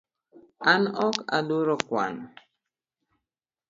An ok aluoro kwano